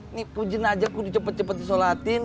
ini jenajah gue cepet cepet disolatin